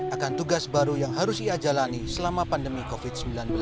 akan tugas baru yang harus ia jalani selama pandemi covid sembilan belas